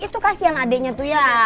itu kasian adiknya tuh ya